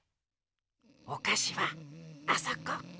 おかしはあそこ。